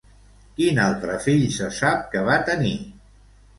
Quin altre fill se sap que va tenir?